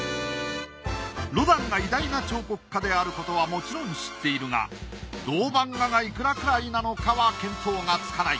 ロダンが偉大な彫刻家であることはもちろん知っているが銅版画がいくらくらいなのかは見当がつかない。